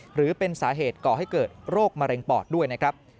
หรือเป็นสาเหตุก่อให้เกิดโรคมะเร็งปอดด้วยนะครับ